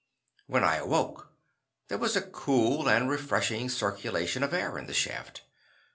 When I awoke, there was a cool and refreshing circulation of air in the shaft.